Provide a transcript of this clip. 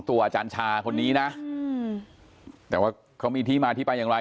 อาจารย์ชาไปทำอีธีมาที่ไปอย่างไร